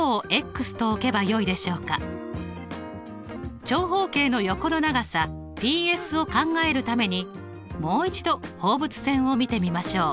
さて長方形の横の長さＰＳを考えるためにもう一度放物線を見てみましょう。